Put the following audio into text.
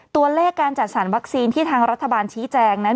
ตัวเลขการจัดสรรวัคซีนที่ทางรัฐบาลชี้แจงนั้น